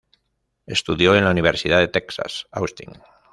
Estudió en la Universidad de Texas en Austin.